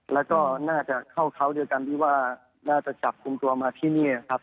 แล้วก็น่าจะเข้าเขาด้วยกันที่ว่าน่าจะจับกลุ่มตัวมาที่นี่ครับ